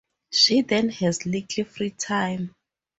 She then has little free time.